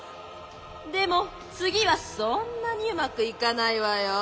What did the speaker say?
でもつぎはそんなにうまくいかないわよ。